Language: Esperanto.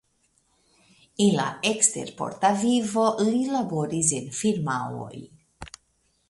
En la ekstersporta vivo li laboris en firmaoj.